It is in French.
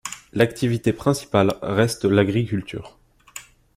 L'activité principale reste l'agriculture.